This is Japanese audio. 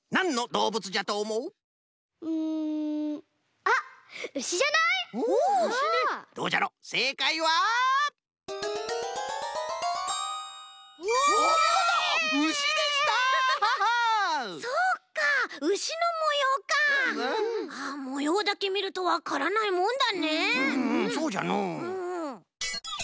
うんうんそうじゃのう。